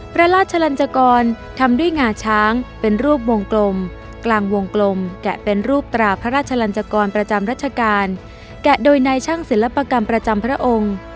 พระราชลันจกรทำด้วยงาช้างเป็นรูปวงกลมกลางวงกลมแกะเป็นรูปตราพระราชลันจกรประจำรัชกาลแกะโดยนายช่างศิลปกรรมประจำพระองค์